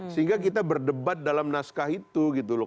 sehingga kita berdebat dalam naskah itu gitu loh